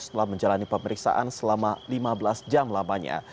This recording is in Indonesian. setelah menjalani pemeriksaan selama lima belas jam lamanya